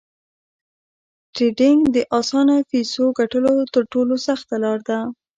ټریډینګ د اسانه فیسو ګټلو تر ټولو سخته لار ده